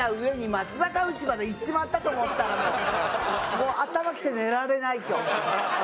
もう頭きて寝られない今日。